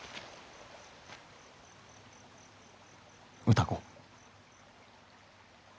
歌子。